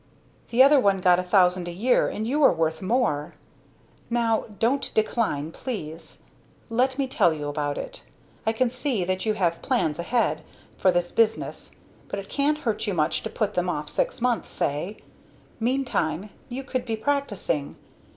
"The other one got a thousand a year you are worth more. Now, don't decline, please. Let me tell you about it. I can see that you have plans ahead, for this business; but it can't hurt you much to put them off six months, say. Meantime, you could be practicing.